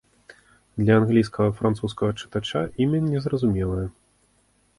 Для англійскага і французскага чытача імя незразумелае.